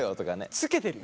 つけてるよ。